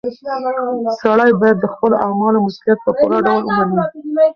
سړی باید د خپلو اعمالو مسؤلیت په پوره ډول ومني.